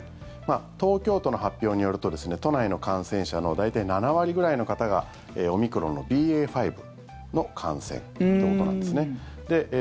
東京都の発表によると都内の感染者の大体７割ぐらいの方がオミクロンのＢＡ．５の感染ということなんですね。